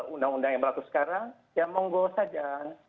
undang undang yang berlaku sekarang ya monggo saja